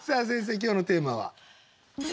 今日のテーマは？